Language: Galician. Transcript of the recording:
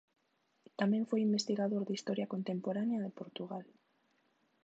Tamén foi investigador de Historia Contemporánea de Portugal.